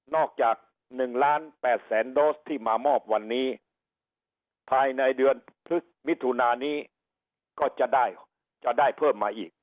จาก๑ล้าน๘แสนโดสที่มามอบวันนี้ภายในเดือนมิถุนานี้ก็จะได้จะได้เพิ่มมาอีก